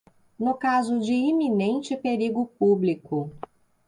no caso de iminente perigo público